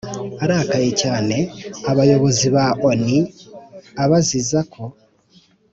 arakaye cyane abayobozi ba onu abaziza ko